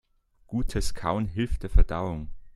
Gutes Kauen hilft der Verdauung.